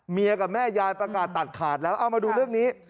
กับแม่ยายประกาศตัดขาดแล้วเอามาดูเรื่องนี้